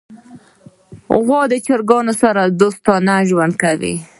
غوا د چرګانو سره دوستانه ژوند کوي.